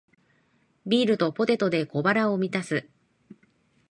ビールとポテトで小腹を満たす